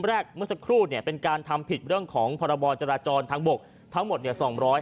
แรกเมื่อสักครู่เนี่ยเป็นการทำผิดเรื่องของพรบจราจรทางบกทั้งหมดเนี่ย